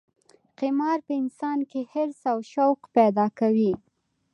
قمار په انسان کې حرص او شوق پیدا کوي.